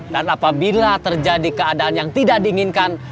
dan apabila terjadi keadaan yang tidak diinginkan